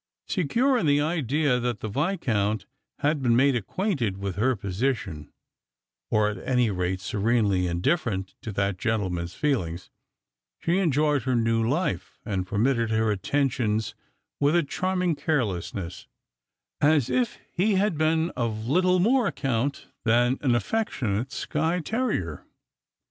Secure in the idea that the Viscount had been made acquainted with her position, or at any rate serenely indifferent to that gentleman's feelings, she enjoyed her new lite, and permitted his attentions with a charming carelessness, as if he had been of little more account than an affectionate Skye terrier.